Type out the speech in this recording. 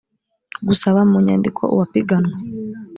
gusaba mu nyandiko uwapiganwe